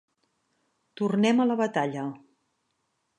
Tornem a la batalla.